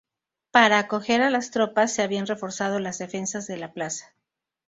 Para acoger a las tropas, se habían reforzado las defensas de la plaza.